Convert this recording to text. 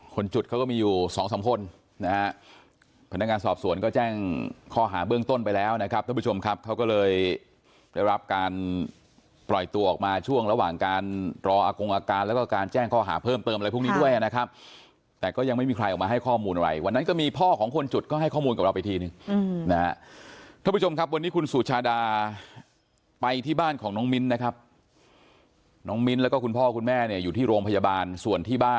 คนจุดเขาก็มีอยู่๒สัมพลพนักงานสอบสวนก็แจ้งข้อหาเบื้องต้นไปแล้วนะครับท่านผู้ชมครับเขาก็เลยได้รับการปล่อยตัวออกมาช่วงระหว่างการรออากงอาการแล้วก็การแจ้งข้อหาเพิ่มเติมอะไรพวกนี้ด้วยนะครับแต่ก็ยังไม่มีใครออกมาให้ข้อมูลอะไรวันนั้นก็มีพ่อของคนจุดก็ให้ข้อมูลกับเราไปทีนึงนะครับท่านผู้ชมครับว